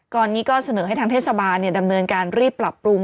ตอนนี้ก็เสนอให้ทางเทศบาลดำเนินการรีบปรับปรุง